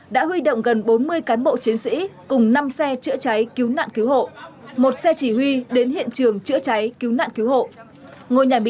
đã huy động gần bốn mươi cán bộ chiến sĩ cùng năm xe chữa cháy cứu nạn cứu hộ một xe chỉ huy đến hiện trường chữa cháy cứu nạn cứu hộ